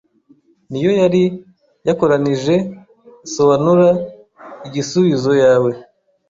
ni yo yari yakoranije Soanura igisuizo yawe